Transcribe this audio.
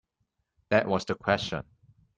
That was the question.